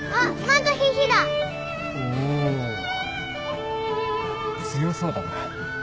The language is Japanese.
おぉ強そうだな。